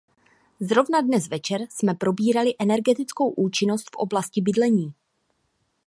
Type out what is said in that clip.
Zrovna dnes večer jsme probírali energetickou účinnost v oblasti bydlení.